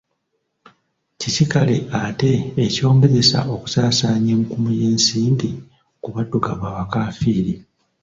Kiki kale ate ekyongezesa okusaasaanya enkumu y'ensimbi ku baddugavu abakaafiiri?